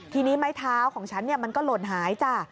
ทีนี้ไม้เท้าของฉันมันก็หล่นหายจ้ะ